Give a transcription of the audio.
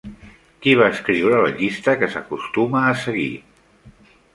Qui va escriure la llista que s'acostuma a seguir?